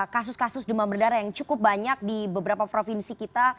kasus kasus demam berdarah yang cukup banyak di beberapa provinsi kita